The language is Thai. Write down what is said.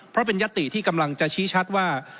เพราะเป็นยติที่กำลังจะชี้ชัดว่า